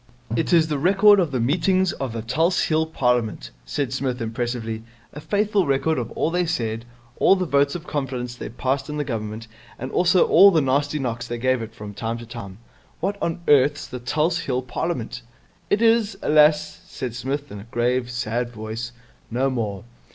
'It is the record of the meetings of the Tulse Hill Parliament,' said Psmith impressively. 'A faithful record of all they said, all the votes of confidence they passed in the Government, and also all the nasty knocks they gave it from time to time.' 'What on earth's the Tulse Hill Parliament?' 'It is, alas,' said Psmith in a grave, sad voice, 'no more.